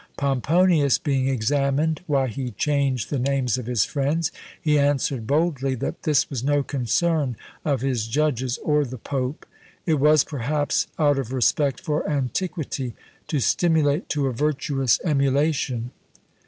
Pomponius being examined why he changed the names of his friends, he answered boldly, that this was no concern of his judges or the pope; it was, perhaps, out of respect for antiquity, to stimulate to a virtuous emulation.